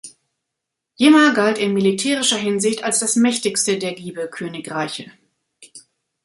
Jimma galt in militärischer Hinsicht als das mächtigste der Gibe-Königreiche.